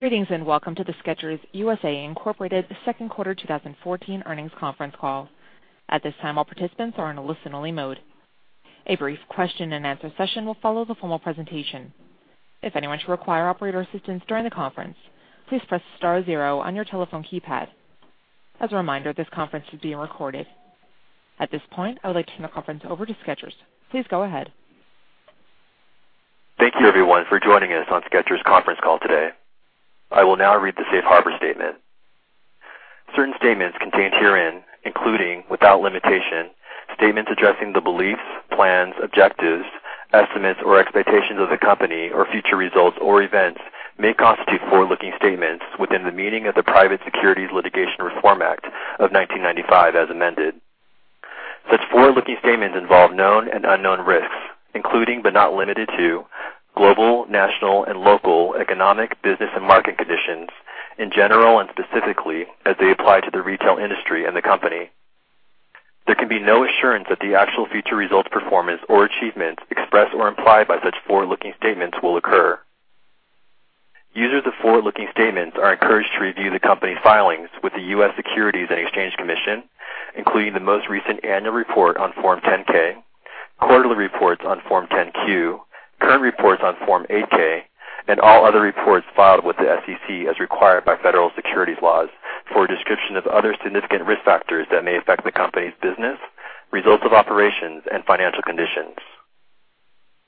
Greetings, welcome to the Skechers U.S.A., Inc. second quarter 2014 earnings conference call. At this time, all participants are in a listen-only mode. A brief question and answer session will follow the formal presentation. If anyone should require operator assistance during the conference, please press star zero on your telephone keypad. As a reminder, this conference is being recorded. At this point, I would like to turn the conference over to Skechers. Please go ahead. Thank you everyone for joining us on Skechers conference call today. I will now read the safe harbor statement. Certain statements contained herein, including, without limitation, statements addressing the beliefs, plans, objectives, estimates, or expectations of the company or future results or events, may constitute forward-looking statements within the meaning of the Private Securities Litigation Reform Act of 1995 as amended. Such forward-looking statements involve known and unknown risks, including, but not limited to, global, national, and local economic, business, and market conditions in general and specifically as they apply to the retail industry and the company. There can be no assurance that the actual future results, performance, or achievements expressed or implied by such forward-looking statements will occur. Users of forward-looking statements are encouraged to review the company's filings with the U.S. Securities and Exchange Commission, including the most recent annual report on Form 10-K, quarterly reports on Form 10-Q, current reports on Form 8-K, and all other reports filed with the SEC as required by federal securities laws for a description of other significant risk factors that may affect the company's business, results of operations, and financial conditions.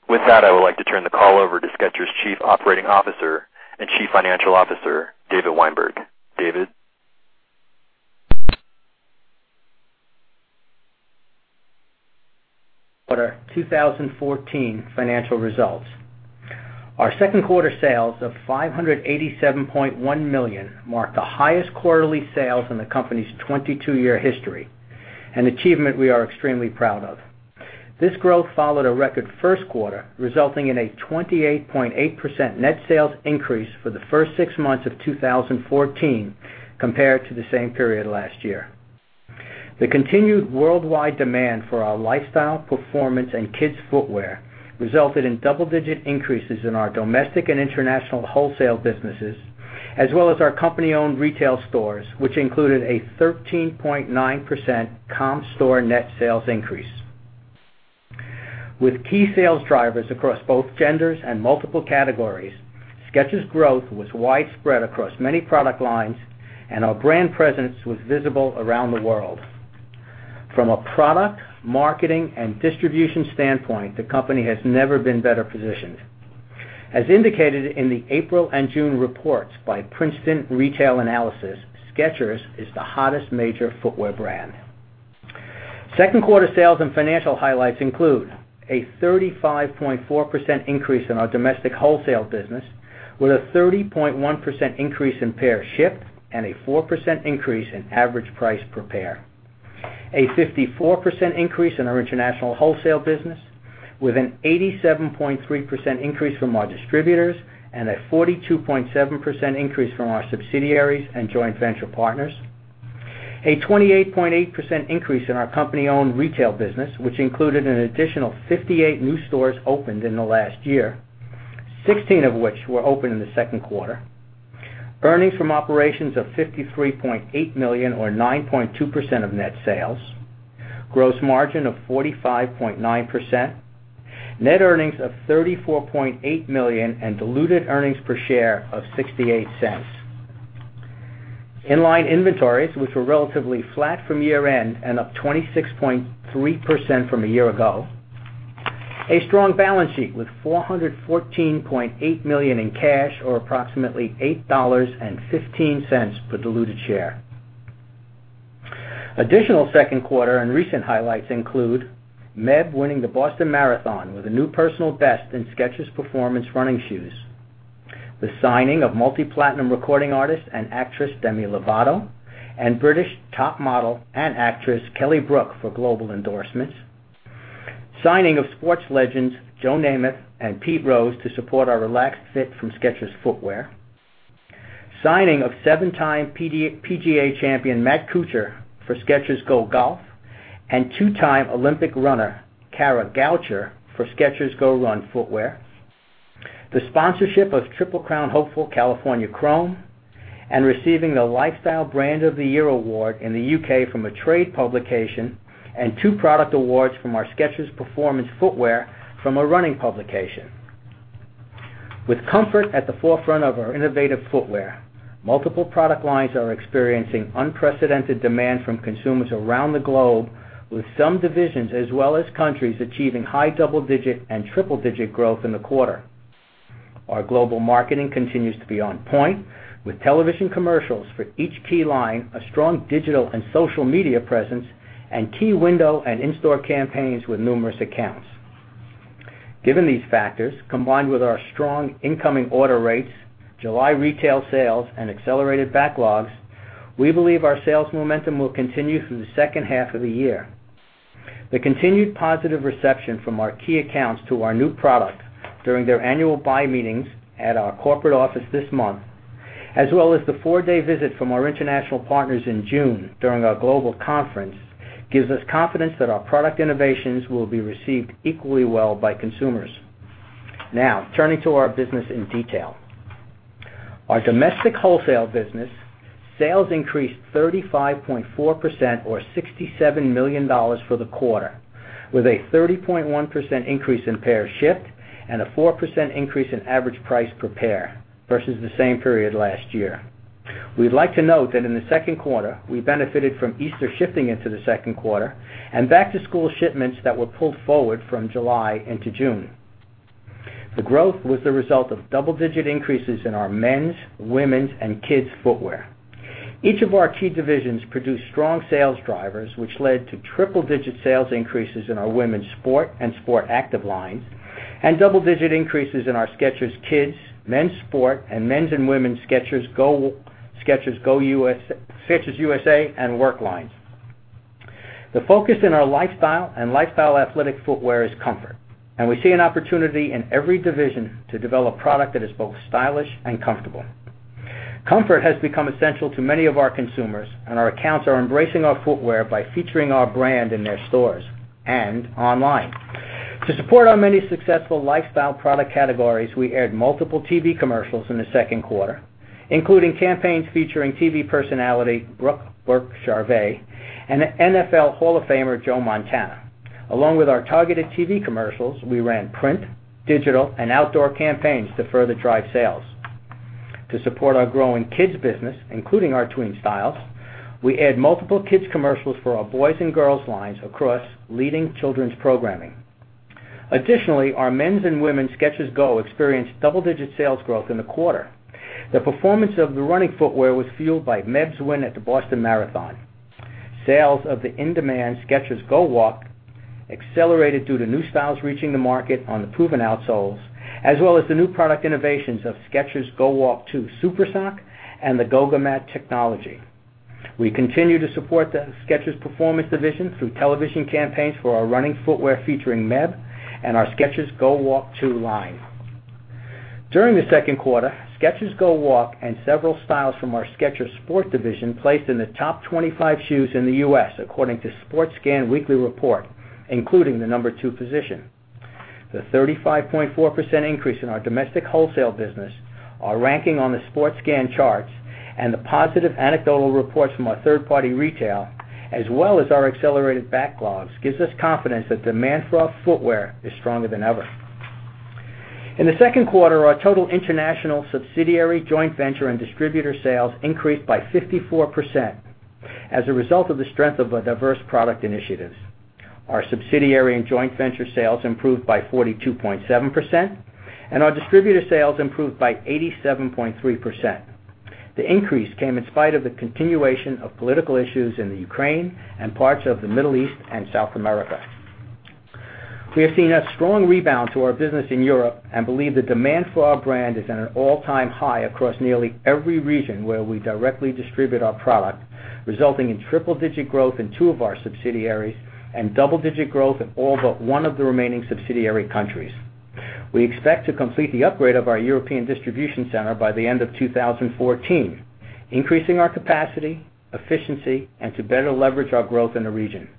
With that, I would like to turn the call over to Skechers' Chief Operating Officer and Chief Financial Officer, David Weinberg. David? What are 2014 financial results? Our second quarter sales of $587.1 million marked the highest quarterly sales in the company's 22-year history, an achievement we are extremely proud of. This growth followed a record first quarter, resulting in a 28.8% net sales increase for the first six months of 2014 compared to the same period last year. The continued worldwide demand for our lifestyle, performance, and kids' footwear resulted in double-digit increases in our domestic and international wholesale businesses, as well as our company-owned retail stores, which included a 13.9% comp store net sales increase. With key sales drivers across both genders and multiple categories, Skechers' growth was widespread across many product lines, and our brand presence was visible around the world. From a product, marketing, and distribution standpoint, the company has never been better positioned. As indicated in the April and June reports by Princeton Retail Analysis, Skechers is the hottest major footwear brand. Second quarter sales and financial highlights include a 35.4% increase in our domestic wholesale business with a 30.1% increase in pairs shipped and a 4% increase in average price per pair. A 54% increase in our international wholesale business with an 87.3% increase from our distributors and a 42.7% increase from our subsidiaries and joint venture partners. A 28.8% increase in our company-owned retail business, which included an additional 58 new stores opened in the last year, 16 of which were opened in the second quarter. Earnings from operations of $53.8 million or 9.2% of net sales. Gross margin of 45.9%. Net earnings of $34.8 million and diluted earnings per share of $0.68. In-line inventories, which were relatively flat from year-end and up 26.3% from a year ago. A strong balance sheet with $414.8 million in cash, or approximately $8.15 per diluted share. Additional second quarter and recent highlights include Meb winning the Boston Marathon with a new personal best in Skechers Performance running shoes. The signing of multi-platinum recording artist and actress Demi Lovato and British top model and actress Kelly Brook for global endorsements. Signing of sports legends Joe Namath and Pete Rose to support our Relaxed Fit from Skechers footwear. Signing of seven-time PGA champion Matt Kuchar for Skechers GO GOLF and two-time Olympic runner Kara Goucher for Skechers GOrun footwear. The sponsorship of Triple Crown hopeful California Chrome and receiving the Lifestyle Brand of the Year award in the U.K. from a trade publication and two product awards from our Skechers Performance footwear from a running publication. With comfort at the forefront of our innovative footwear, multiple product lines are experiencing unprecedented demand from consumers around the globe, with some divisions as well as countries achieving high double-digit and triple-digit growth in the quarter. Our global marketing continues to be on point with television commercials for each key line, a strong digital and social media presence, and key window and in-store campaigns with numerous accounts. Given these factors, combined with our strong incoming order rates, July retail sales, and accelerated backlogs, we believe our sales momentum will continue through the second half of the year. The continued positive reception from our key accounts to our new product during their annual buy meetings at our corporate office this month, as well as the four-day visit from our international partners in June during our global conference gives us confidence that our product innovations will be received equally well by consumers. Turning to our business in detail. Our domestic wholesale business sales increased 35.4%, or $67 million for the quarter, with a 30.1% increase in pairs shipped and a 4% increase in average price per pair versus the same period last year. We'd like to note that in the second quarter, we benefited from Easter shifting into the second quarter and back-to-school shipments that were pulled forward from July into June. The growth was the result of double-digit increases in our men's, women's, and Skechers Kids footwear. Each of our key divisions produced strong sales drivers, which led to triple-digit sales increases in our women's sport and sport active lines, and double-digit increases in our Skechers Kids, Men's Sport, and Men's and Women's Skechers USA and Work lines. The focus in our lifestyle and lifestyle athletic footwear is comfort, and we see an opportunity in every division to develop product that is both stylish and comfortable. Comfort has become essential to many of our consumers, and our accounts are embracing our footwear by featuring our brand in their stores and online. To support our many successful lifestyle product categories, we aired multiple TV commercials in the second quarter, including campaigns featuring TV personality Brooke Burke-Charvet and NFL Hall of Famer Joe Montana. Along with our targeted TV commercials, we ran print, digital, and outdoor campaigns to further drive sales. To support our growing kids business, including our tween styles, we add multiple kids commercials for our boys and girls lines across leading children's programming. Additionally, our men's and women's Skechers GO experienced double-digit sales growth in the quarter. The performance of the running footwear was fueled by Meb's win at the Boston Marathon. Sales of the in-demand Skechers GOwalk accelerated due to new styles reaching the market on the proven outsoles, as well as the new product innovations of Skechers GOwalk 2 Super Sock and the Goga Mat technology. We continue to support the Skechers Performance division through television campaigns for our running footwear featuring Meb and our Skechers GOwalk 2 line. During the second quarter, Skechers GOwalk and several styles from our Skechers Sport division placed in the top 25 shoes in the U.S. according to SportScan Weekly Report, including the number two position. The 35.4% increase in our domestic wholesale business, our ranking on the SportScan charts, and the positive anecdotal reports from our third-party retail, as well as our accelerated backlogs, gives us confidence that demand for our footwear is stronger than ever. In the second quarter, our total international subsidiary joint venture and distributor sales increased by 54% as a result of the strength of our diverse product initiatives. Our subsidiary and joint venture sales improved by 42.7%, and our distributor sales improved by 87.3%. The increase came in spite of the continuation of political issues in the Ukraine and parts of the Middle East and South America. We have seen a strong rebound to our business in Europe and believe the demand for our brand is at an all-time high across nearly every region where we directly distribute our product, resulting in triple-digit growth in two of our subsidiaries and double-digit growth in all but one of the remaining subsidiary countries. We expect to complete the upgrade of our European distribution center by the end of 2014, increasing our capacity, efficiency, and to better leverage our growth in the region.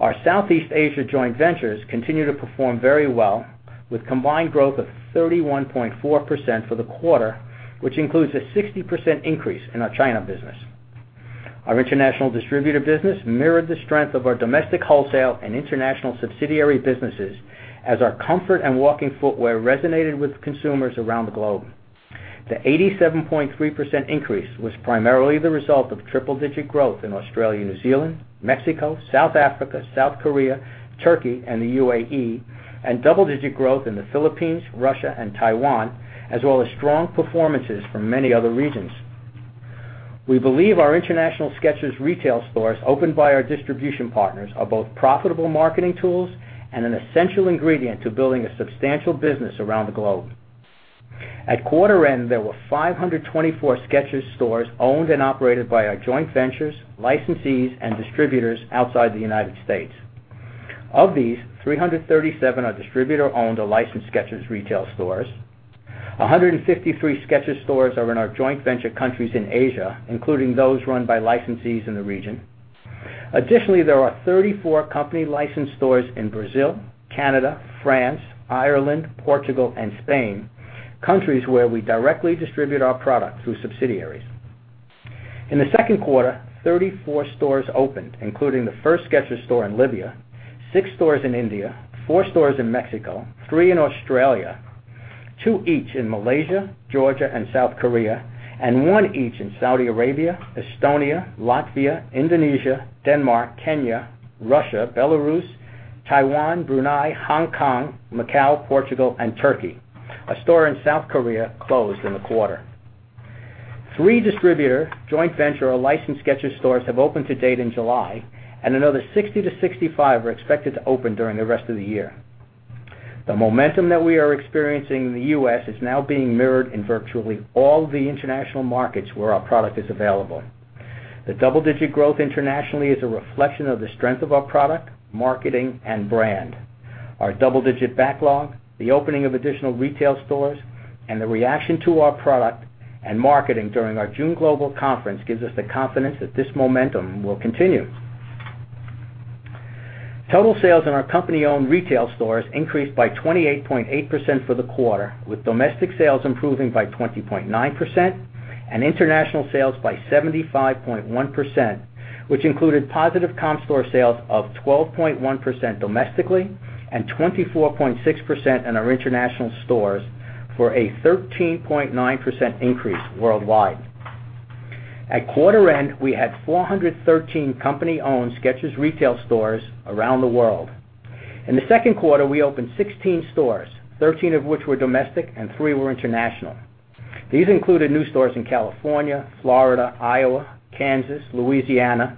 Our Southeast Asia joint ventures continue to perform very well, with combined growth of 31.4% for the quarter, which includes a 60% increase in our China business. Our international distributor business mirrored the strength of our domestic wholesale and international subsidiary businesses as our comfort and walking footwear resonated with consumers around the globe. The 87.3% increase was primarily the result of triple-digit growth in Australia, New Zealand, Mexico, South Africa, South Korea, Turkey, and the UAE, and double-digit growth in the Philippines, Russia, and Taiwan, as well as strong performances from many other regions. We believe our international Skechers retail stores opened by our distribution partners are both profitable marketing tools and an essential ingredient to building a substantial business around the globe. At quarter end, there were 524 Skechers stores owned and operated by our joint ventures, licensees, and distributors outside the U.S.. Of these, 337 are distributor-owned or licensed Skechers retail stores. 153 Skechers stores are in our joint venture countries in Asia, including those run by licensees in the region. Additionally, there are 34 company licensed stores in Brazil, Canada, France, Ireland, Portugal, and Spain, countries where we directly distribute our product through subsidiaries. In the second quarter, 34 stores opened, including the first Skechers store in Libya, six stores in India, four stores in Mexico, three in Australia, two each in Malaysia, Georgia, and South Korea, and one each in Saudi Arabia, Estonia, Latvia, Indonesia, Denmark, Kenya, Russia, Belarus, Taiwan, Brunei, Hong Kong, Macau, Portugal, and Turkey. One store in South Korea closed in the quarter. Three distributor joint venture or licensed Skechers stores have opened to date in July, and another 60-65 are expected to open during the rest of the year. The momentum that we are experiencing in the U.S. is now being mirrored in virtually all the international markets where our product is available. The double-digit growth internationally is a reflection of the strength of our product, marketing, and brand. Our double-digit backlog, the opening of additional retail stores, and the reaction to our product and marketing during our June global conference gives us the confidence that this momentum will continue. Total sales in our company-owned retail stores increased by 28.8% for the quarter, with domestic sales improving by 20.9% and international sales by 75.1%, which included positive comp store sales of 12.1% domestically and 24.6% in our international stores for a 13.9% increase worldwide. At quarter end, we had 413 company-owned Skechers retail stores around the world. In the second quarter, we opened 16 stores, 13 of which were domestic and three were international. These included new stores in California, Florida, Iowa, Kansas, Louisiana,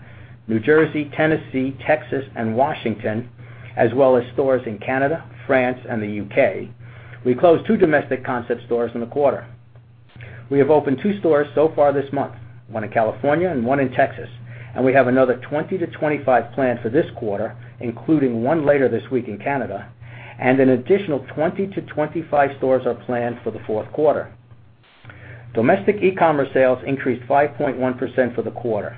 New Jersey, Tennessee, Texas, and Washington, as well as stores in Canada, France, and the U.K.. We closed two domestic concept stores in the quarter. We have opened two stores so far this month, one in California and one in Texas, and we have another 20-25 planned for this quarter, including one later this week in Canada, and an additional 20-25 stores are planned for the fourth quarter. Domestic e-commerce sales increased 5.1% for the quarter.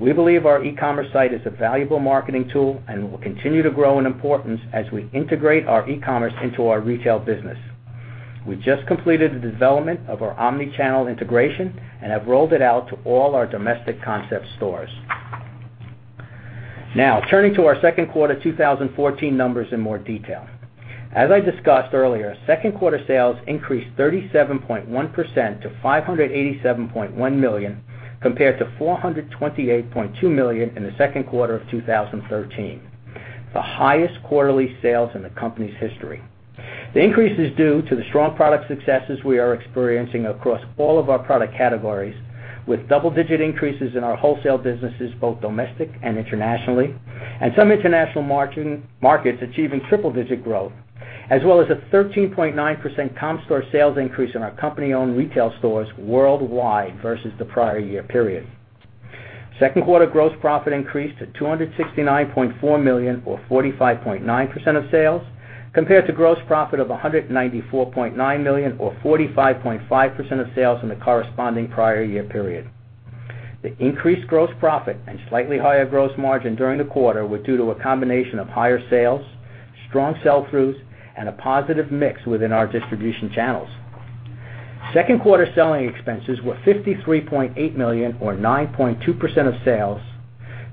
We believe our e-commerce site is a valuable marketing tool and will continue to grow in importance as we integrate our e-commerce into our retail business. We just completed the development of our omni-channel integration and have rolled it out to all our domestic concept stores. Turning to our second quarter 2014 numbers in more detail. As I discussed earlier, second quarter sales increased 37.1% to $587.1 million, compared to $428.2 million in the second quarter of 2013, the highest quarterly sales in the company's history. The increase is due to the strong product successes we are experiencing across all of our product categories, with double-digit increases in our wholesale businesses, both domestic and internationally, and some international markets achieving triple-digit growth, as well as a 13.9% comp store sales increase in our company-owned retail stores worldwide versus the prior year period. Second quarter gross profit increased to $269.4 million or 45.9% of sales, compared to gross profit of $194.9 million or 45.5% of sales in the corresponding prior year period. The increased gross profit and slightly higher gross margin during the quarter were due to a combination of higher sales, strong sell-throughs, and a positive mix within our distribution channels. Second quarter selling expenses were $53.8 million or 9.2% of sales,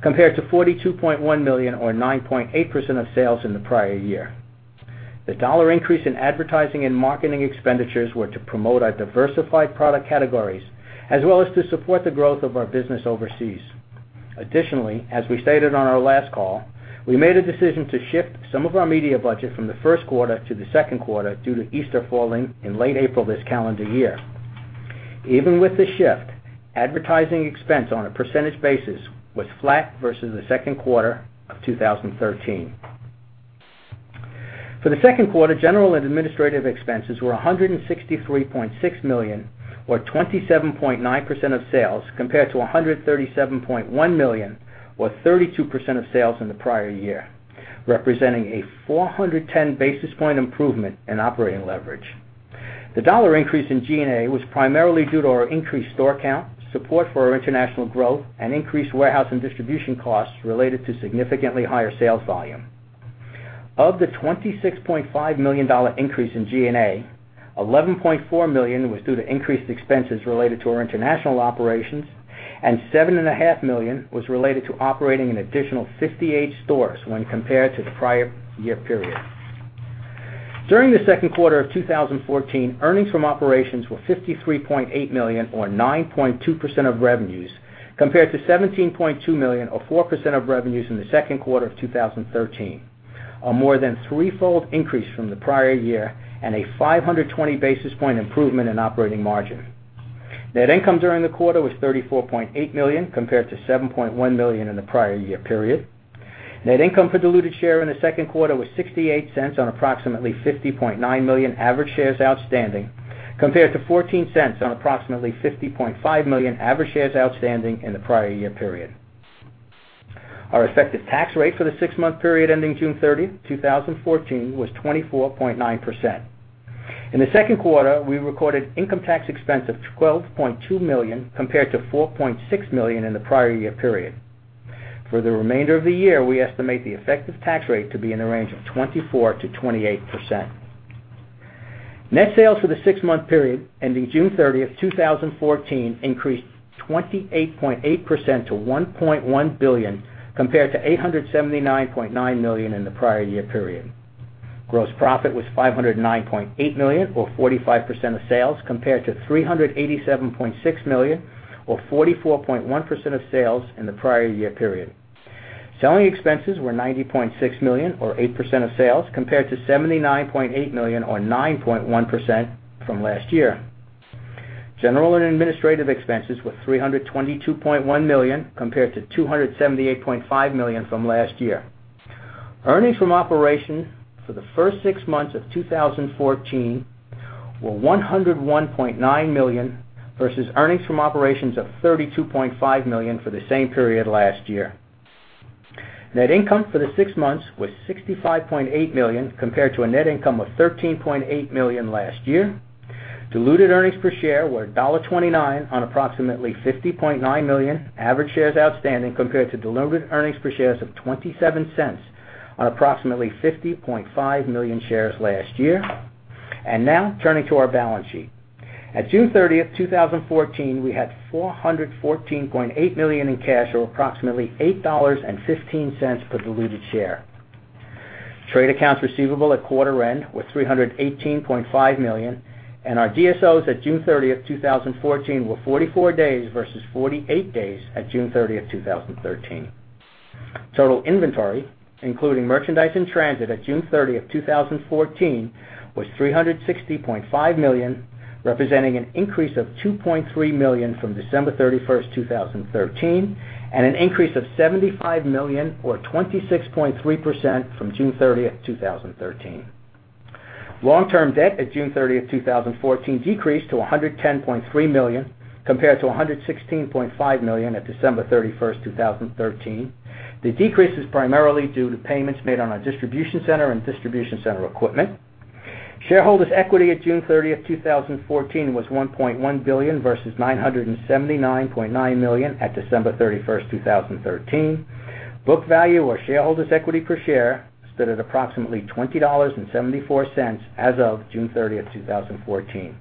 compared to $42.1 million or 9.8% of sales in the prior year. The dollar increase in advertising and marketing expenditures were to promote our diversified product categories, as well as to support the growth of our business overseas. As we stated on our last call, we made a decision to shift some of our media budget from the first quarter to the second quarter due to Easter falling in late April this calendar year. Even with the shift, advertising expense on a percentage basis was flat versus the second quarter of 2013. For the second quarter, general and administrative expenses were $163.6 million or 27.9% of sales, compared to $137.1 million or 32% of sales in the prior year, representing a 410 basis point improvement in operating leverage. The dollar increase in G&A was primarily due to our increased store count, support for our international growth, and increased warehouse and distribution costs related to significantly higher sales volume. Of the $26.5 million increase in G&A, $11.4 million was due to increased expenses related to our international operations, and $7.5 million was related to operating an additional 58 stores when compared to the prior year period. During the second quarter of 2014, earnings from operations were $53.8 million or 9.2% of revenues, compared to $17.2 million or 4% of revenues in the second quarter of 2013, a more than threefold increase from the prior year and a 520 basis point improvement in operating margin. Net income during the quarter was $34.8 million, compared to $7.1 million in the prior year period. Net income per diluted share in the second quarter was $0.68 on approximately 50.9 million average shares outstanding, compared to $0.14 on approximately 50.5 million average shares outstanding in the prior year period. Our effective tax rate for the six-month period ending June 30, 2014, was 24.9%. In the second quarter, we recorded income tax expense of $12.2 million, compared to $4.6 million in the prior year period. For the remainder of the year, we estimate the effective tax rate to be in the range of 24%-28%. Net sales for the six-month period ending June 30, 2014, increased 28.8% to $1.1 billion, compared to $879.9 million in the prior year period. Gross profit was $509.8 million or 45% of sales, compared to $387.6 million or 44.1% of sales in the prior year period. Selling expenses were $90.6 million or 8% of sales, compared to $79.8 million or 9.1% from last year. General and administrative expenses were $322.1 million compared to $278.5 million from last year. Earnings from operation for the first six months of 2014 were $101.9 million versus earnings from operations of $32.5 million for the same period last year. Net income for the six months was $65.8 million compared to a net income of $13.8 million last year. Diluted earnings per share were $1.29 on approximately 50.9 million average shares outstanding compared to diluted earnings per share of $0.27 on approximately 50.5 million shares last year. Now turning to our balance sheet. At June 30th, 2014, we had $414.8 million in cash, or approximately $8.15 per diluted share. Trade accounts receivable at quarter end were $318.5 million, and our DSOs at June 30th, 2014 were 44 days versus 48 days at June 30th, 2013. Total inventory, including merchandise in transit at June 30th, 2014, was $360.5 million, representing an increase of $2.3 million from December 31st, 2013, and an increase of $75 million or 26.3% from June 30th, 2013. Long-term debt at June 30th, 2014 decreased to $110.3 million compared to $116.5 million at December 31st, 2013. The decrease is primarily due to payments made on our distribution center and distribution center equipment. Shareholders' equity at June 30th, 2014 was $1.1 billion versus $979.9 million at December 31st, 2013. Book value or shareholders' equity per share stood at approximately $20.74 as of June 30th, 2014.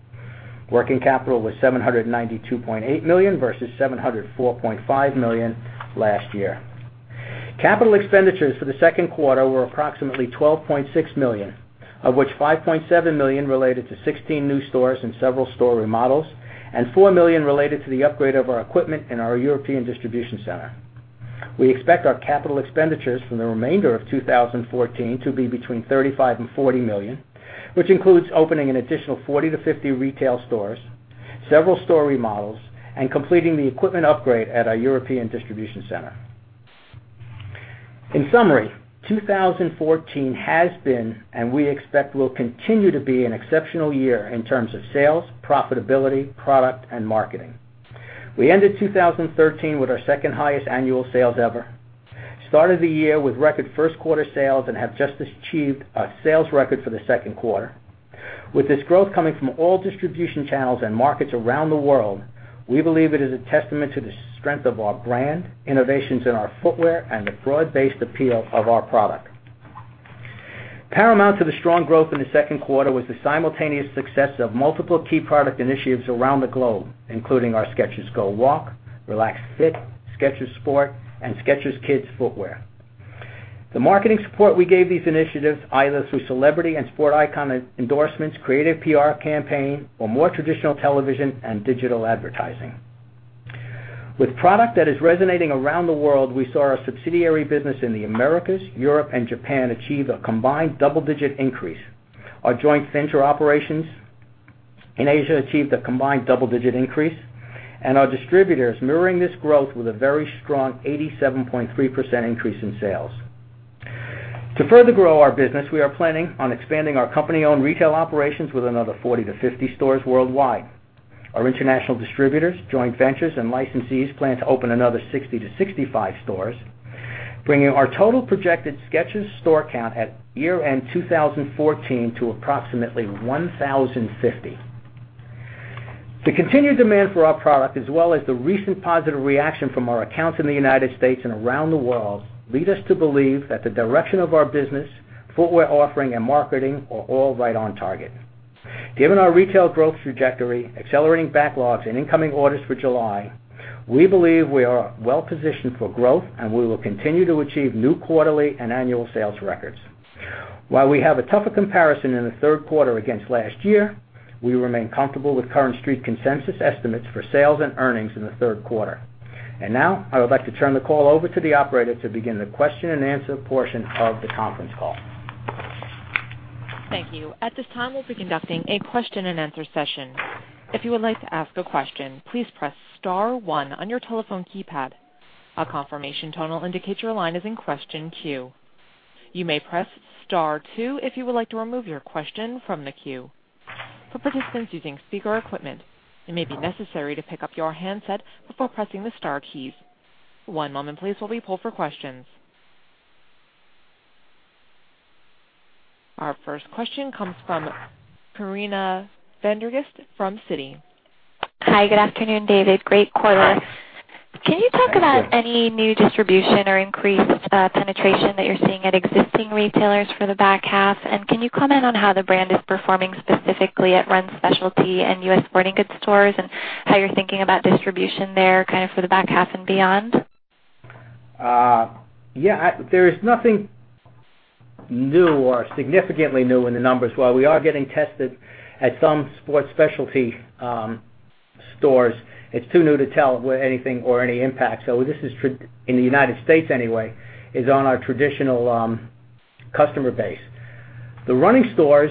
Working capital was $792.8 million versus $704.5 million last year. Capital expenditures for the second quarter were approximately $12.6 million, of which $5.7 million related to 16 new stores and several store remodels and $4 million related to the upgrade of our equipment in our European distribution center. We expect our capital expenditures for the remainder of 2014 to be between $35 and $40 million, which includes opening an additional 40 to 50 retail stores, several store remodels, and completing the equipment upgrade at our European distribution center. In summary, 2014 has been, and we expect will continue to be, an exceptional year in terms of sales, profitability, product, and marketing. We ended 2013 with our second highest annual sales ever, started the year with record first quarter sales, and have just achieved a sales record for the second quarter. With this growth coming from all distribution channels and markets around the world, we believe it is a testament to the strength of our brand, innovations in our footwear, and the broad-based appeal of our product. Paramount to the strong growth in the second quarter was the simultaneous success of multiple key product initiatives around the globe, including our Skechers GOwalk, Relaxed Fit, Skechers Sport, and Skechers Kids footwear. The marketing support we gave these initiatives, either through celebrity and sport icon endorsements, creative PR campaign, or more traditional television and digital advertising. With product that is resonating around the world, we saw our subsidiary business in the Americas, Europe, and Japan achieve a combined double-digit increase. Our joint venture operations in Asia achieved a combined double-digit increase, and our distributors mirroring this growth with a very strong 87.3% increase in sales. To further grow our business, we are planning on expanding our company-owned retail operations with another 40 to 50 stores worldwide. Our international distributors, joint ventures, and licensees plan to open another 60-65 stores, bringing our total projected Skechers store count at year-end 2014 to approximately 1,050. The continued demand for our product, as well as the recent positive reaction from our accounts in the U.S. and around the world, lead us to believe that the direction of our business, footwear offering, and marketing are all right on target. Given our retail growth trajectory, accelerating backlogs, and incoming orders for July, we believe we are well-positioned for growth, and we will continue to achieve new quarterly and annual sales records. While we have a tougher comparison in the third quarter against last year, we remain comfortable with current Street consensus estimates for sales and earnings in the third quarter. Now, I would like to turn the call over to the operator to begin the question and answer portion of the conference call. Thank you. At this time, we'll be conducting a question and answer session. If you would like to ask a question, please press *1 on your telephone keypad. A confirmation tone will indicate your line is in question queue. You may press *2 if you would like to remove your question from the queue. For participants using speaker equipment, it may be necessary to pick up your handset before pressing the star keys. One moment please while we pull for questions. Our first question comes from Corinna van der Ghinst from Citi. Hi. Good afternoon, David. Great quarter. Hi. Can you talk about any new distribution or increased penetration that you're seeing at existing retailers for the back half? Can you comment on how the brand is performing specifically at Run Specialty and U.S. sporting goods stores, and how you're thinking about distribution there for the back half and beyond? Yeah. There is nothing new or significantly new in the numbers. While we are getting tested at some sports specialty stores, it's too new to tell with anything or any impact. This is, in the United States anyway, is on our traditional customer base. The running stores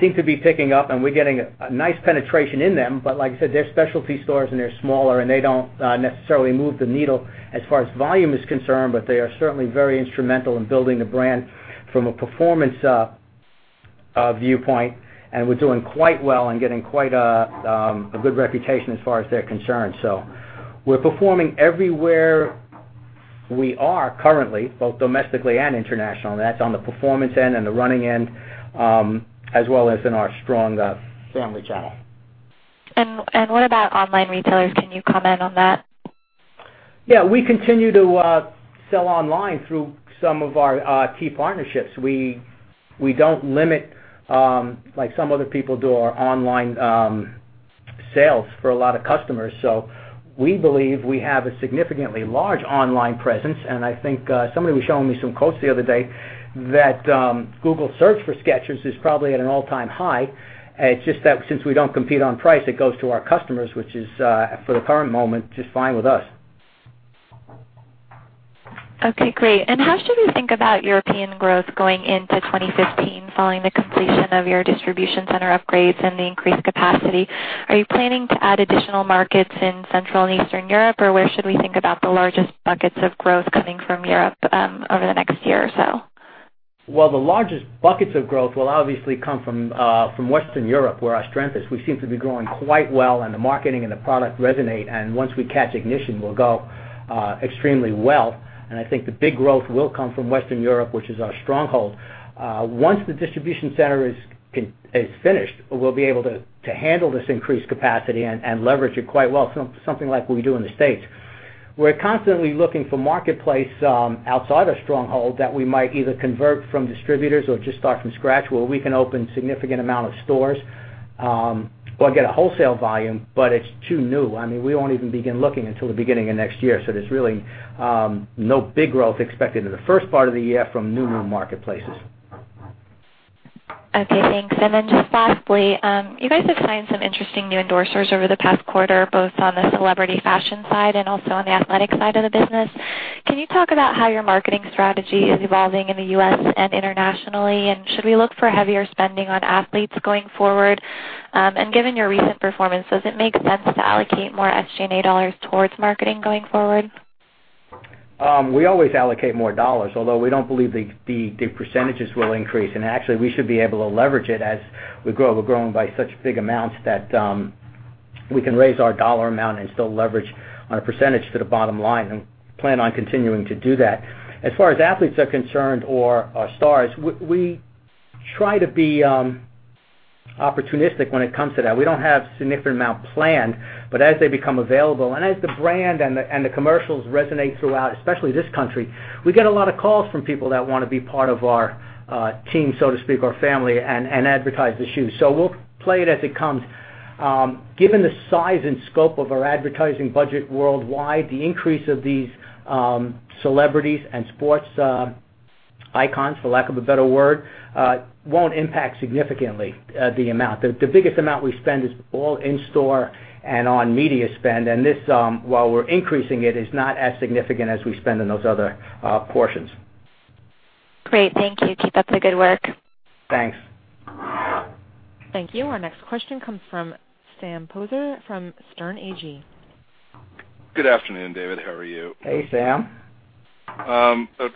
seem to be picking up, and we're getting a nice penetration in them. Like I said, they're specialty stores, and they're smaller, and they don't necessarily move the needle as far as volume is concerned, but they are certainly very instrumental in building the brand from a performance A viewpoint, and we're doing quite well and getting quite a good reputation as far as they're concerned. We're performing everywhere we are currently, both domestically and internationally. That's on the performance end and the running end, as well as in our strong family channel. What about online retailers? Can you comment on that? Yeah. We continue to sell online through some of our key partnerships. We don't limit, like some other people do, our online sales for a lot of customers. We believe we have a significantly large online presence, and I think somebody was showing me some quotes the other day that Google search for Skechers is probably at an all-time high. It's just that since we don't compete on price, it goes to our customers, which is, for the current moment, just fine with us. Okay, great. How should we think about European growth going into 2015 following the completion of your distribution center upgrades and the increased capacity? Are you planning to add additional markets in Central and Eastern Europe, or where should we think about the largest buckets of growth coming from Europe over the next year or so? Well, the largest buckets of growth will obviously come from Western Europe, where our strength is. We seem to be growing quite well, the marketing and the product resonate. Once we catch ignition, we'll go extremely well. I think the big growth will come from Western Europe, which is our stronghold. Once the distribution center is finished, we'll be able to handle this increased capacity and leverage it quite well, something like we do in the States. We're constantly looking for marketplace outside our stronghold that we might either convert from distributors or just start from scratch, where we can open significant amount of stores or get a wholesale volume, but it's too new. We won't even begin looking until the beginning of next year. There's really no big growth expected in the first part of the year from new marketplaces. Okay, thanks. Then just lastly, you guys have signed some interesting new endorsers over the past quarter, both on the celebrity fashion side and also on the athletic side of the business. Can you talk about how your marketing strategy is evolving in the U.S. and internationally, should we look for heavier spending on athletes going forward? Given your recent performance, does it make sense to allocate more SG&A dollars towards marketing going forward? We always allocate more dollars, although we don't believe the percentages will increase. Actually, we should be able to leverage it as we grow. We're growing by such big amounts that we can raise our dollar amount and still leverage our percentage to the bottom line and plan on continuing to do that. As far as athletes are concerned or stars, we try to be opportunistic when it comes to that. We don't have significant amount planned, but as they become available and as the brand and the commercials resonate throughout, especially this country, we get a lot of calls from people that want to be part of our team, so to speak, our family, and advertise the shoes. We'll play it as it comes. Given the size and scope of our advertising budget worldwide, the increase of these celebrities and sports icons, for lack of a better word, won't impact significantly the amount. The biggest amount we spend is all in store and on media spend. This, while we're increasing it, is not as significant as we spend in those other portions. Great. Thank you. Keep up the good work. Thanks. Thank you. Our next question comes from Sam Poser from Sterne Agee. Good afternoon, David. How are you? Hey, Sam.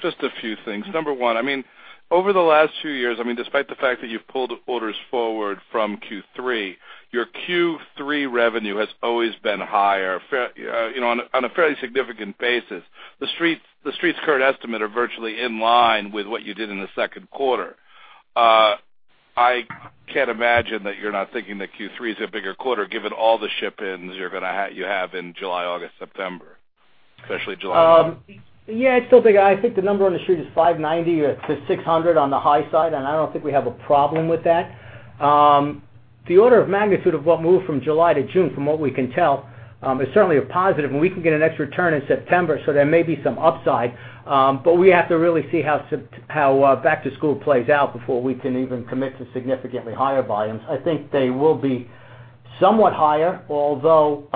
Just a few things. Number one, over the last few years, despite the fact that you've pulled orders forward from Q3, your Q3 revenue has always been higher on a fairly significant basis. The Street's current estimate are virtually in line with what you did in the second quarter. I can't imagine that you're not thinking that Q3 is a bigger quarter given all the ship-ins you have in July, August, September, especially July. Yeah, I still think, I think the number on the Street is $590 to $600 on the high side. I don't think we have a problem with that. The order of magnitude of what moved from July to June, from what we can tell, is certainly a positive. We can get an extra turn in September. There may be some upside. We have to really see how back to school plays out before we can even commit to significantly higher volumes. I think they will be somewhat higher, although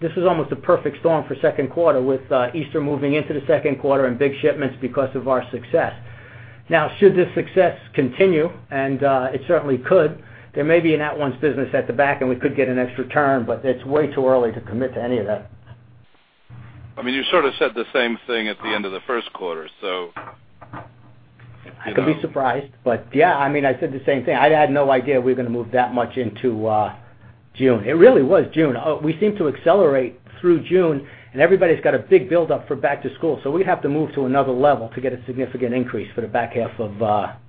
this is almost a perfect storm for second quarter with Easter moving into the second quarter and big shipments because of our success. Now, should this success continue, it certainly could, there may be an at-once business at the back and we could get an extra turn. It's way too early to commit to any of that. You sort of said the same thing at the end of the first quarter. I could be surprised, yeah, I said the same thing. I had no idea we were going to move that much into June. It really was June. We seem to accelerate through June and everybody's got a big buildup for back to school, we'd have to move to another level to get a significant increase for the back half of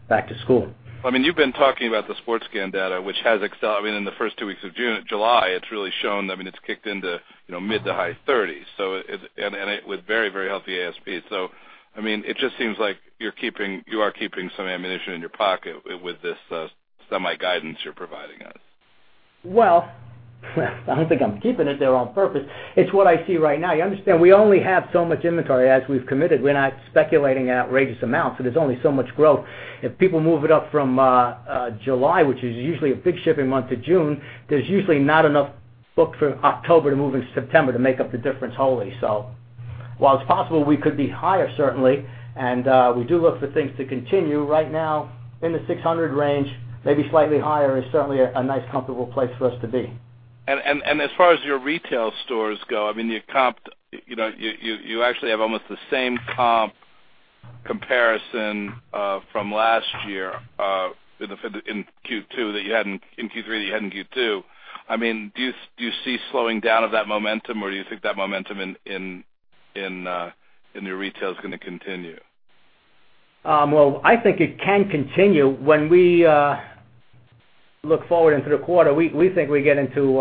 back to school. You've been talking about the SportScan data, which has accelerated in the first two weeks of July. It's really shown, it's kicked into mid to high 30s. With very healthy ASPs. It just seems like you are keeping some ammunition in your pocket with this semi-guidance you're providing us. Well, I don't think I'm keeping it there on purpose. It's what I see right now. You understand, we only have so much inventory as we've committed. We're not speculating outrageous amounts, there's only so much growth. If people move it up from July, which is usually a big shipping month, to June, there's usually not enough booked for October to move in September to make up the difference wholly. While it's possible we could be higher, certainly, and we do look for things to continue, right now in the 600 range, maybe slightly higher, is certainly a nice, comfortable place for us to be. As far as your retail stores go, you actually have almost the same comp comparison from last year in Q3 that you had in Q2. Do you see slowing down of that momentum, or do you think that momentum in your retail is going to continue? Well, I think it can continue. When we look forward into the quarter, we think we get into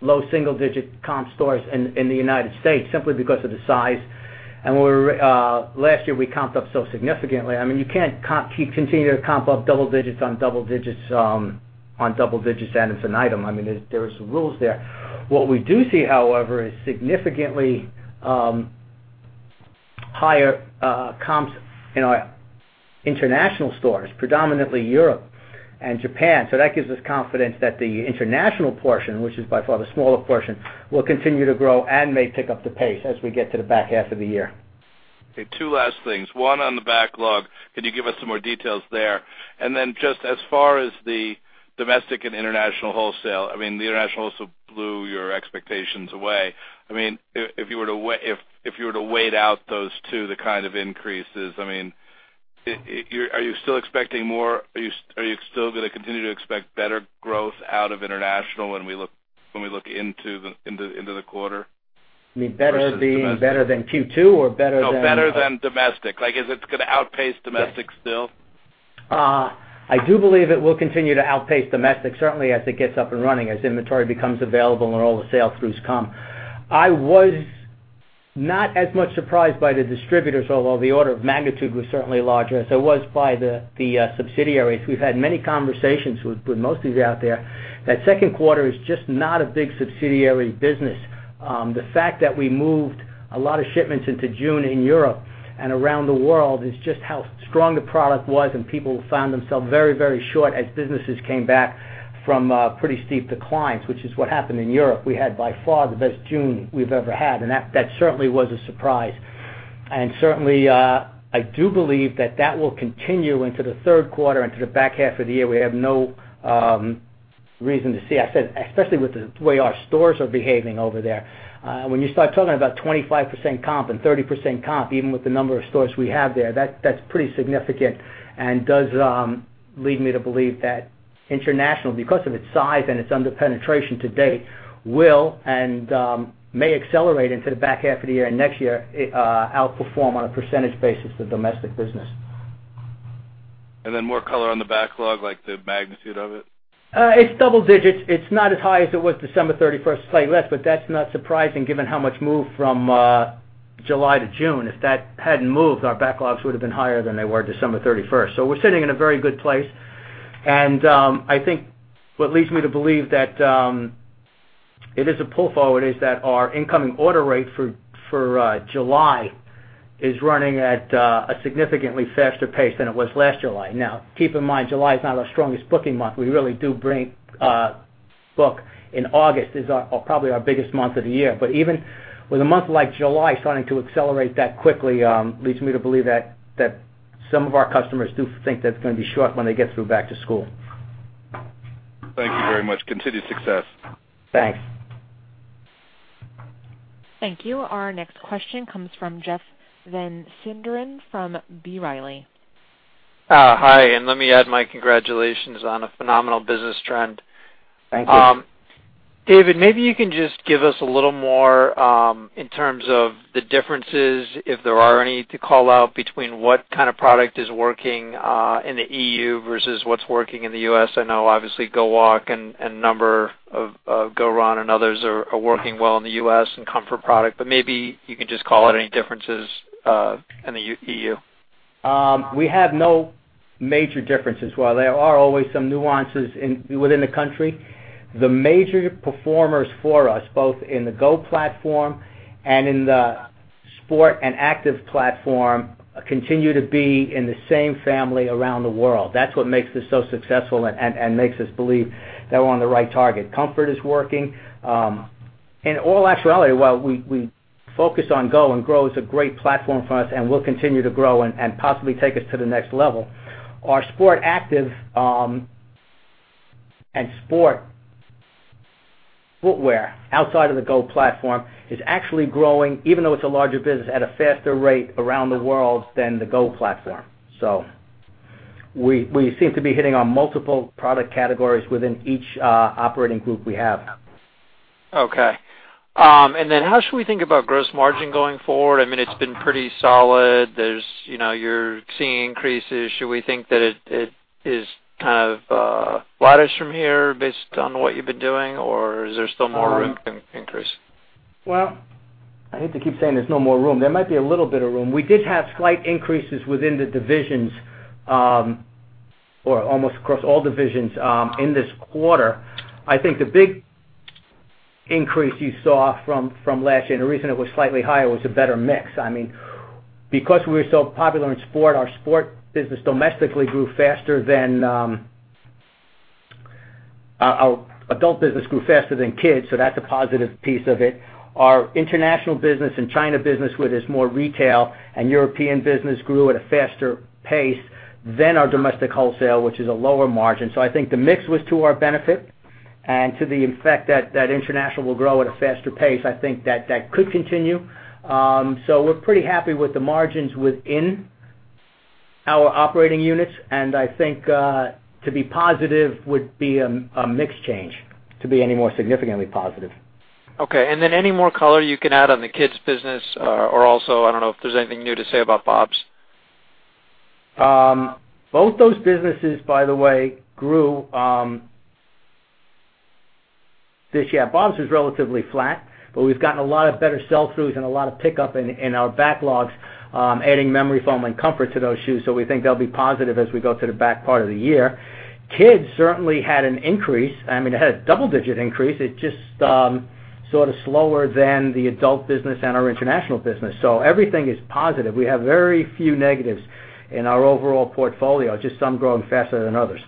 low single-digit comp stores in the U.S. simply because of the size. Last year, we comped up so significantly. You can't continue to comp up double digits on double digits on double digits item to item. There are some rules there. What we do see, however, is significantly higher comps in our international stores, predominantly Europe and Japan. That gives us confidence that the international portion, which is by far the smaller portion, will continue to grow and may pick up the pace as we get to the back half of the year. Okay, two last things. One on the backlog, can you give us some more details there? Just as far as the domestic and international wholesale, the international wholesale blew your expectations away. If you were to weigh out those two, the kind of increases, are you still going to continue to expect better growth out of international when we look into the end of the quarter? You mean better than Q2 or better than? No, better than domestic. Is it going to outpace domestic still? I do believe it will continue to outpace domestic, certainly as it gets up and running, as inventory becomes available and all the sales crews come. I was not as much surprised by the distributors, although the order of magnitude was certainly larger, as I was by the subsidiaries. We've had many conversations with most of you out there, that second quarter is just not a big subsidiary business. The fact that we moved a lot of shipments into June in Europe and around the world is just how strong the product was, and people found themselves very short as businesses came back from pretty steep declines, which is what happened in Europe. We had by far the best June we've ever had, and that certainly was a surprise. Certainly, I do believe that that will continue into the third quarter, into the back half of the year. We have no reason to see. I said, especially with the way our stores are behaving over there. When you start talking about 25% comp and 30% comp, even with the number of stores we have there, that's pretty significant and does lead me to believe that international, because of its size and its under-penetration to date, will and may accelerate into the back half of the year and next year, outperform on a percentage basis, the domestic business. Then more color on the backlog, like the magnitude of it. It's double digits. It's not as high as it was December 31st, slightly less, but that's not surprising given how much moved from July to June. If that hadn't moved, our backlogs would have been higher than they were December 31st. We're sitting in a very good place. I think what leads me to believe that it is a pull forward is that our incoming order rate for July is running at a significantly faster pace than it was last July. Now, keep in mind, July is not our strongest booking month. We really do book in August, is probably our biggest month of the year. Even with a month like July starting to accelerate that quickly, leads me to believe that some of our customers do think that it's going to be short when they get through back to school. Thank you very much. Continued success. Thanks. Thank you. Our next question comes from Jeff Van Sinderen from B. Riley. Hi. Let me add my congratulations on a phenomenal business trend. Thank you. David, maybe you can just give us a little more in terms of the differences, if there are any, to call out between what kind of product is working in the E.U. versus what's working in the U.S. I know obviously GO Walk and GO Run and others are working well in the U.S. and comfort product. Maybe you can just call out any differences in the E.U. We have no major differences. While there are always some nuances within the country, the major performers for us, both in the GO platform and in the Sport and active platform, continue to be in the same family around the world. That's what makes this so successful and makes us believe that we're on the right target. Comfort is working. In all actuality, while we focus on GO, and GO is a great platform for us and will continue to grow and possibly take us to the next level, our Sport active and Sport footwear outside of the GO platform is actually growing, even though it's a larger business, at a faster rate around the world than the GO platform. We seem to be hitting on multiple product categories within each operating group we have. Okay. How should we think about gross margin going forward? It's been pretty solid. You're seeing increases. Should we think that it is kind of flattish from here based on what you've been doing, or is there still more room to increase? Well, I hate to keep saying there's no more room. There might be a little bit of room. We did have slight increases within the divisions, or almost across all divisions, in this quarter. I think the big increase you saw from last year, and the reason it was slightly higher, was a better mix. Our adult business grew faster than Kids, so that's a positive piece of it. Our international business and China business, where there's more retail, and European business grew at a faster pace than our domestic wholesale, which is a lower margin. I think the mix was to our benefit. To the effect that international will grow at a faster pace, I think that could continue. We're pretty happy with the margins within our operating units, and I think to be positive would be a mix change to be any more significantly positive. Okay. Any more color you can add on the Kids' business, or also, I don't know if there's anything new to say about BOBS? Both those businesses, by the way, grew this year. BOBS was relatively flat, but we've gotten a lot of better sell-throughs and a lot of pickup in our backlogs, adding memory foam and comfort to those shoes. We think they'll be positive as we go to the back part of the year. Kids certainly had an increase. I mean, it had a double-digit increase. It just sort of slower than the adult business and our international business. Everything is positive. We have very few negatives in our overall portfolio, just some growing faster than others.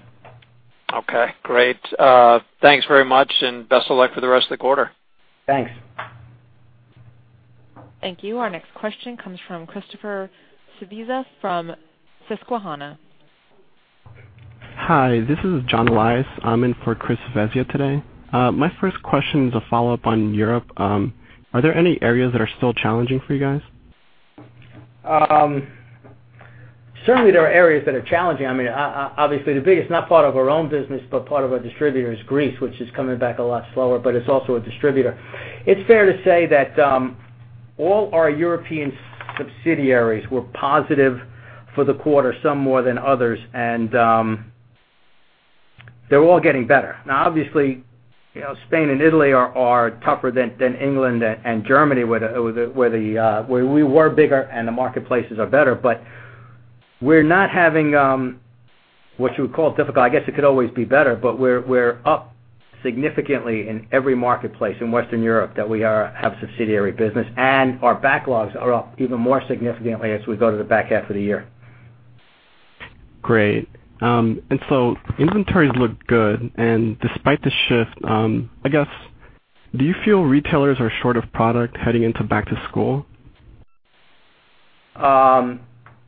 Okay, great. Thanks very much and best of luck for the rest of the quarter. Thanks. Thank you. Our next question comes from Christopher Svezia from Susquehanna. Hi, this is John Elias. I'm in for Chris Svezia today. My first question is a follow-up on Europe. Are there any areas that are still challenging for you guys? Certainly, there are areas that are challenging. Obviously, the biggest, not part of our own business, but part of our distributor is Greece, which is coming back a lot slower, but it's also a distributor. It's fair to say that all our European subsidiaries were positive for the quarter, some more than others. They're all getting better. Now, obviously, Spain and Italy are tougher than England and Germany, where we were bigger and the marketplaces are better. We're not having what you would call difficult. I guess it could always be better, but we're up significantly in every marketplace in Western Europe that we have subsidiary business, and our backlogs are up even more significantly as we go to the back half of the year. Great. Inventories look good. Despite the shift, I guess, do you feel retailers are short of product heading into back to school?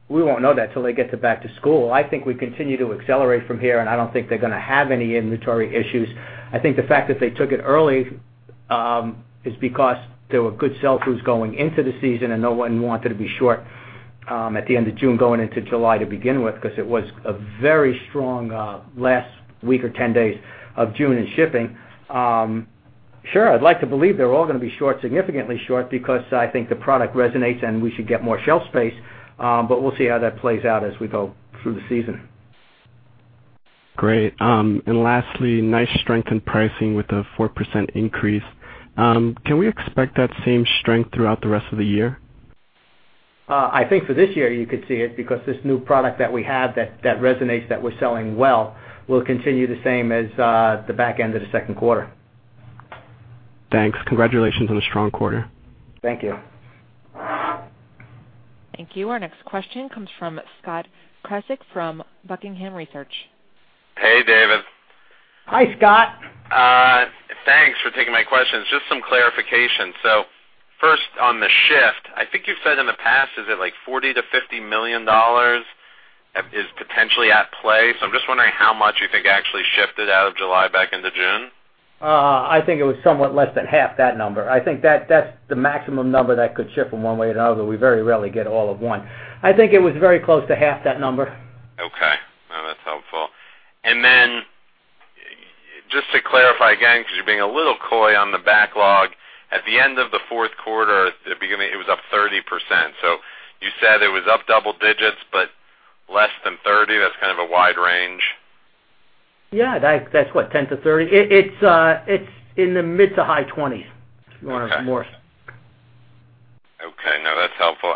We won't know that till they get to back to school. I think we continue to accelerate from here, and I don't think they're going to have any inventory issues. I think the fact that they took it early is because there were good sell-throughs going into the season, and no one wanted to be short at the end of June going into July to begin with, because it was a very strong last week or 10 days of June in shipping. Sure, I'd like to believe they're all going to be short, significantly short, because I think the product resonates, and we should get more shelf space. We'll see how that plays out as we go through the season. Great. Lastly, nice strength in pricing with the 4% increase. Can we expect that same strength throughout the rest of the year? I think for this year, you could see it because this new product that we have that resonates, that we're selling well, will continue the same as the back end of the second quarter. Thanks. Congratulations on a strong quarter. Thank you. Thank you. Our next question comes from Scott Krasik from Buckingham Research. Hey, David. Hi, Scott. Thanks for taking my questions. Just some clarification. First on the shift, I think you've said in the past, is it like $40 million to $50 million is potentially at play? I'm just wondering how much you think actually shifted out of July back into June. I think it was somewhat less than half that number. I think that's the maximum number that could shift from one way to another. We very rarely get all of one. I think it was very close to half that number. Okay. No, that's helpful. Then just to clarify again, because you're being a little coy on the backlog, at the end of the fourth quarter, it was up 30%. You said it was up double digits, but less than 30, that's kind of a wide range. Yeah, that's what, 10%-30%? It's in the mid to high 20s, if you want more. Okay. No, that's helpful.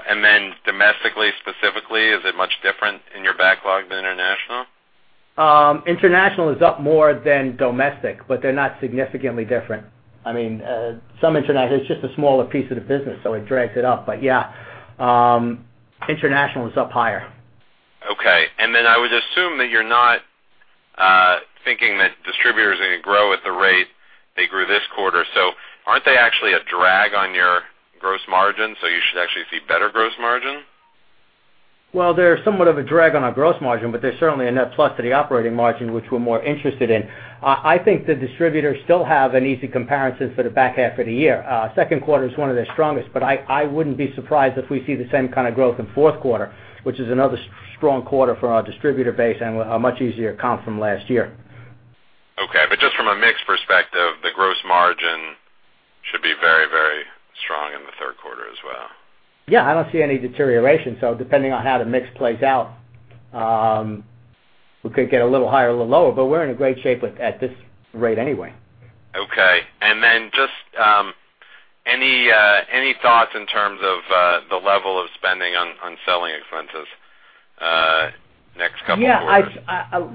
Domestically, specifically, is it much different in your backlog than international? International is up more than domestic, they're not significantly different. It's just a smaller piece of the business, it drags it up. Yeah, international is up higher. Okay. I would assume that you're not thinking that distributors are going to grow at the rate they grew this quarter. Aren't they actually a drag on your gross margin, so you should actually see better gross margin? Well, they're somewhat of a drag on our gross margin, but they're certainly a net plus to the operating margin, which we're more interested in. I think the distributors still have an easy comparison for the back half of the year. second quarter is one of their strongest, but I wouldn't be surprised if we see the same kind of growth in fourth quarter, which is another strong quarter for our distributor base and a much easier comp from last year. Okay. Just from a mix perspective, the gross margin should be very strong in the third quarter as well. Yeah, I don't see any deterioration. Depending on how the mix plays out, we could get a little higher, a little lower, but we're in a great shape at this rate anyway. Okay. Just any thoughts in terms of the level of spending on selling expenses next couple of quarters?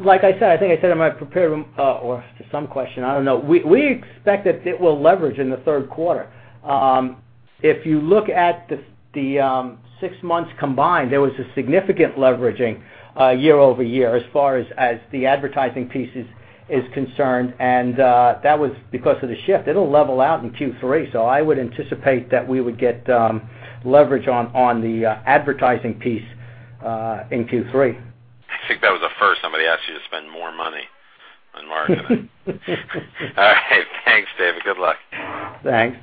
Like I said, I think I said in my prepared or to some question, I don't know. We expect that it will leverage in the third quarter. If you look at the six months combined, there was a significant leveraging year-over-year as far as the advertising piece is concerned, and that was because of the shift. It'll level out in Q3, so I would anticipate that we would get leverage on the advertising piece in Q3. I think that was a first. Somebody asked you to spend more money on marketing. All right. Thanks, David. Good luck. Thanks.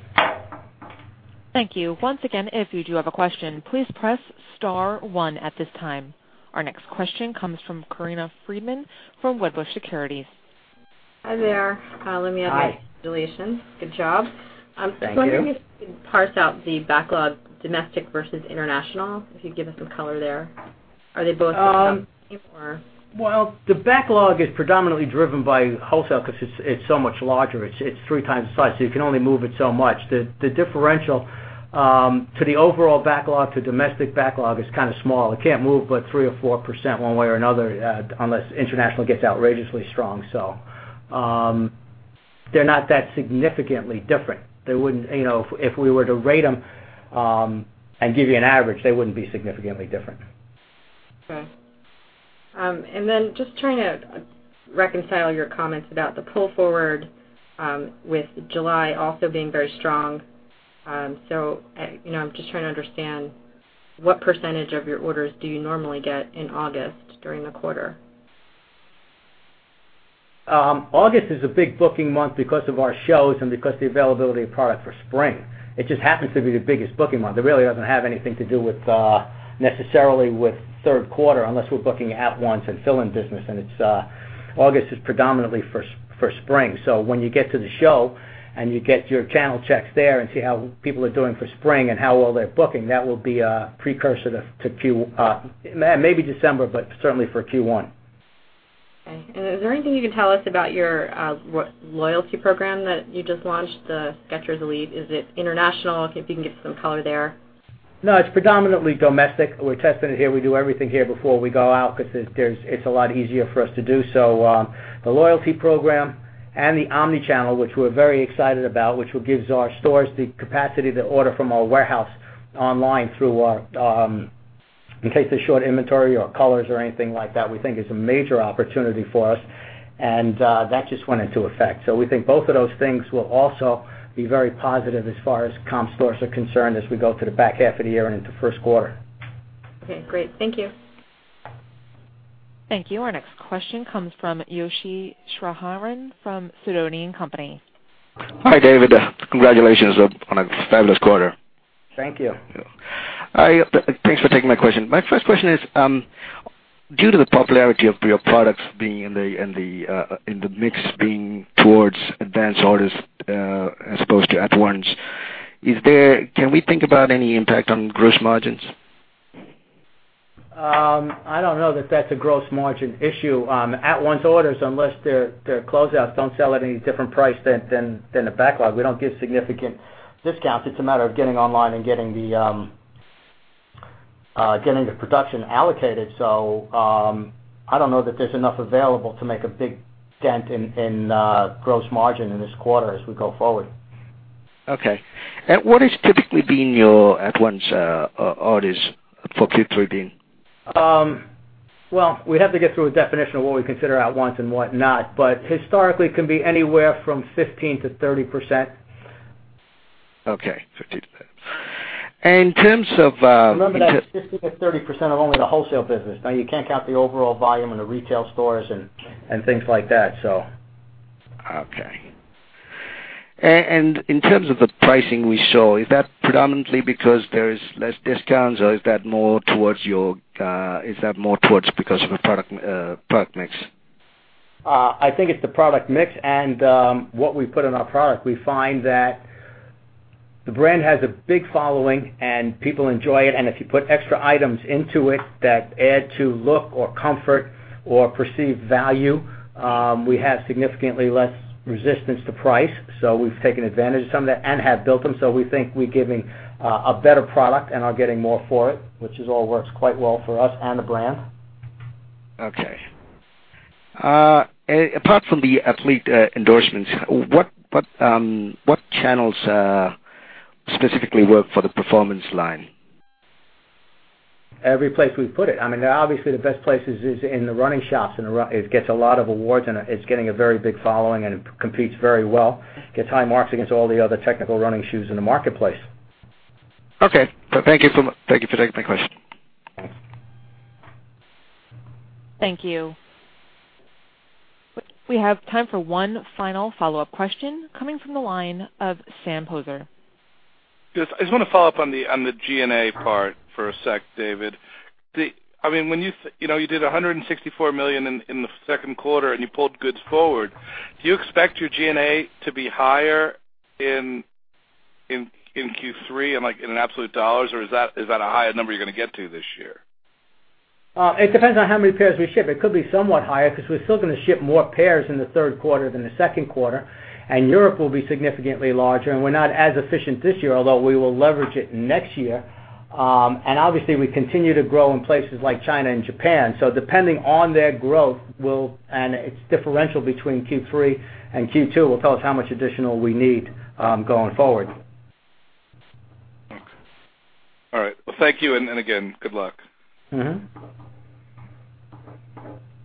Thank you. Once again, if you do have a question, please press star one at this time. Our next question comes from Corinna Freedman from Wedbush Securities. Hi there. Hi. Let me offer congratulations. Good job. Thank you. I was wondering if you could parse out the backlog, domestic versus international. If you could give us some color there. Are they both the same, or? Well, the backlog is predominantly driven by wholesale because it's so much larger. It's three times the size, so you can only move it so much. The differential to the overall backlog to domestic backlog is kind of small. It can't move but 3% or 4% one way or another, unless international gets outrageously strong. They're not that significantly different. If we were to rate them and give you an average, they wouldn't be significantly different. Okay. Just trying to reconcile your comments about the pull forward with July also being very strong. I'm just trying to understand what percentage of your orders do you normally get in August during the quarter? August is a big booking month because of our shows and because of the availability of product for spring. It just happens to be the biggest booking month. It really doesn't have anything to do necessarily with third quarter, unless we're booking at-once and fill-in business, and August is predominantly for spring. When you get to the show and you get your channel checks there and see how people are doing for spring and how well they're booking, that will be a precursor to maybe December, but certainly for Q1. Okay, is there anything you can tell us about your loyalty program that you just launched, the Skechers Elite? Is it international? If you can give some color there. No, it's predominantly domestic. We're testing it here. We do everything here before we go out because it's a lot easier for us to do so. The loyalty program and the omni-channel, which we're very excited about, which gives our stores the capacity to order from our warehouse online in case of short inventory or colors or anything like that, we think is a major opportunity for us. That just went into effect. We think both of those things will also be very positive as far as comp stores are concerned as we go through the back half of the year and into the first quarter. Okay, great. Thank you. Thank you. Our next question comes from Yoshihiko Shiohama from Sidoti & Company. Hi, David. Congratulations on a fabulous quarter. Thank you. Thanks for taking my question. My first question is, due to the popularity of your products being in the mix being towards advance orders as opposed to at once, can we think about any impact on gross margins? I don't know that that's a gross margin issue. At-once orders, unless their closeouts don't sell at any different price than the backlog, we don't give significant discounts. It's a matter of getting online and getting the production allocated. I don't know that there's enough available to make a big dent in gross margin in this quarter as we go forward. Okay. What has typically been your at-once orders for Q3 been? Well, we'd have to get through a definition of what we consider at once and what not, but historically, it can be anywhere from 15%-30%. Okay. 15%-30%. In terms of- Remember, that's 15%-30% of only the wholesale business. You can't count the overall volume in the retail stores and things like that. Okay. In terms of the pricing we saw, is that predominantly because there is less discounts, or is that more towards because of the product mix? I think it's the product mix and what we put in our product. We find that the brand has a big following and people enjoy it, and if you put extra items into it that add to look or comfort or perceived value, we have significantly less resistance to price. We've taken advantage of some of that and have built them, so we think we're giving a better product and are getting more for it, which all works quite well for us and the brand. Okay. Apart from the athlete endorsements, what channels specifically work for the performance line? Every place we've put it. Obviously, the best place is in the running shops, and it gets a lot of awards, and it's getting a very big following and it competes very well. Gets high marks against all the other technical running shoes in the marketplace. Okay. Thank you for taking my question. Thank you. We have time for one final follow-up question coming from the line of Sam Poser. I just want to follow up on the G&A part for a sec, David. You did $164 million in the second quarter, and you pulled goods forward. Do you expect your G&A to be higher in Q3, in absolute dollars, or is that a higher number you're going to get to this year? It depends on how many pairs we ship. It could be somewhat higher because we're still going to ship more pairs in the third quarter than the second quarter, Europe will be significantly larger, and we're not as efficient this year, although we will leverage it next year. Obviously, we continue to grow in places like China and Japan, so depending on their growth, and its differential between Q3 and Q2 will tell us how much additional we need going forward. Okay. All right. Well, thank you, and again, good luck.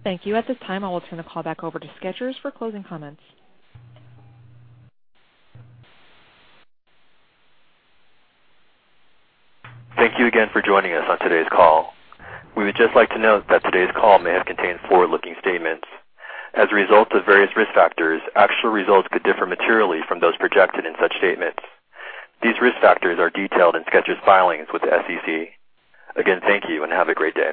Thank you. At this time, I will turn the call back over to Skechers for closing comments. Thank you again for joining us on today's call. We would just like to note that today's call may have contained forward-looking statements. As a result of various risk factors, actual results could differ materially from those projected in such statements. These risk factors are detailed in Skechers' filings with the SEC. Again, thank you and have a great day